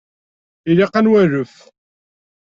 Ilaq ad nwalef.